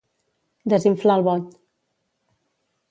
Desinflar el bot.